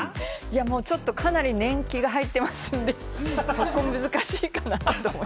ちょっとかなり年季が入ってますんで、そこは難しいかなと思います。